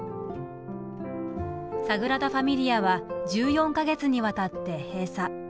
サグラダ・ファミリアは１４か月にわたって閉鎖。